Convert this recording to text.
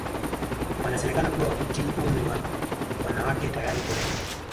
Wanasemekana kuwa wamehitimu umri wa wanawake tayari kuolewa